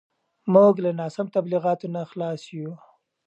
موږ له ناسم تبلیغاتو نه خلاص یو.